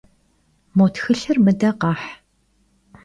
Mo txılhır mıde kheh.